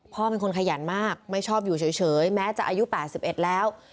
พ่อเป็นคนขยันมากไม่ชอบอยู่เฉยแม้จะอายุ๘๑แล้ว